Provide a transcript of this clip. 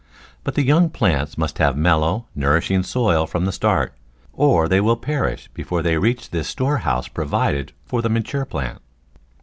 But the young plants must have mellow, nourishing soil from the start, or they will perish before they reach this store house provided for the mature plant.